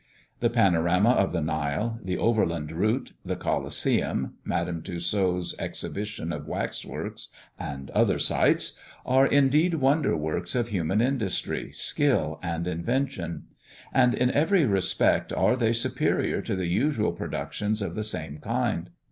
The Panorama of the Nile, the Overland Route, the Colosseum, Madame Tussaud's Exhibition of Wax works, and other sights, are indeed wonder works of human industry, skill, and invention; and, in every respect, are they superior to the usual productions of the same kind.